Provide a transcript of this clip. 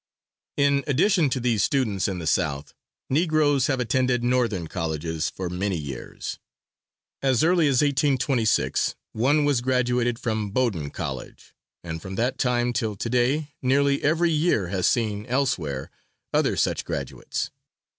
In addition to these students in the South, Negroes have attended Northern colleges for many years. As early as 1826 one was graduated from Bowdoin College, and from that time till to day nearly every year has seen elsewhere, other such graduates.